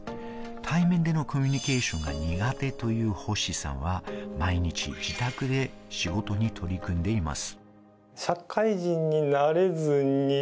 対面でのコミュニケーションが苦手という星さんは毎日自宅で仕事に取り組んでいます。